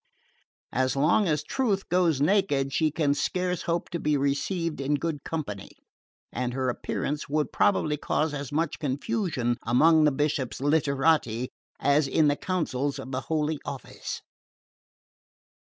As long as Truth goes naked she can scarce hope to be received in good company; and her appearance would probably cause as much confusion among the Bishop's literati as in the councils of the Holy Office."